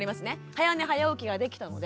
早寝早起きができたので。